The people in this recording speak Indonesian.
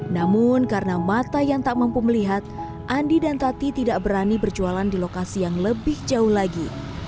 namun karena mata yang tak mampu melihat andi dan tati tidak berani berjualan di lokasi yang lebih jauh lagi